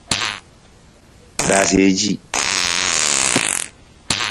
Raansija ci.